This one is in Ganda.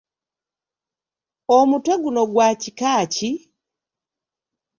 Omutwe guno gwa kika ki?